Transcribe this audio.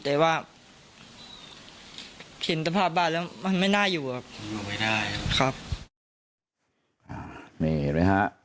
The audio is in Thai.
แต่ว่าทีนตภาพบ้านมันไม่น่าอยู่ครับ